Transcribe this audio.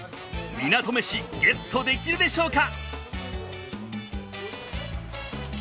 港めしゲットできるでしょうか？